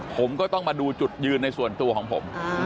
ผมก็ต้องมาดูจุดยืนในส่วนตัวของผม